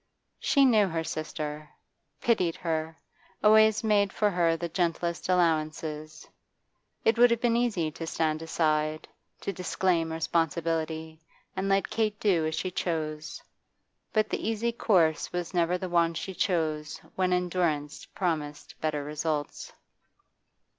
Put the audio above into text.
She knew her sister, pitied her, always made for her the gentlest allowances. It would have been easy to stand aside, to disclaim responsibility, and let Kate do as she chose, but the easy course was never the one she chose when endurance promised better results.